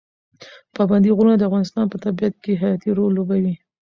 پابندي غرونه د افغانستان په طبیعت کې حیاتي رول لوبوي.